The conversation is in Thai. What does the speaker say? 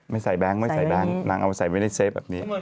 ไม่ใส่แบงค์นางเอาใส่ไว้ในเซฟแบบนี้